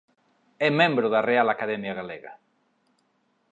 É membro da Real Academia Galega.